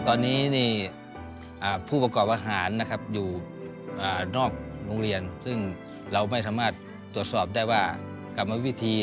ตอนนี้ผู้ประกอบอาหารนะครับอยู่นอกโรงเรียนซึ่งเราไม่สามารถตรวจสอบได้ว่ากรรมวิธี